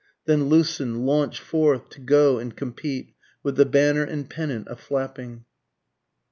Then loosen, launch forth, to go and compete, With the banner and pennant a flapping.